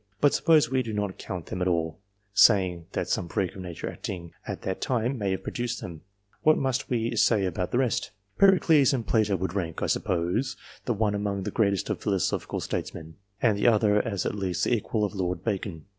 But, supposing we do not count them at all, saying that some freak of nature acting at that time may have produced them, what must we say about the rest ? Pericles and Plato would rank, I suppose, the one among the greatest of philosophical statesmen, and the other as at least the equal of Lord Bacon.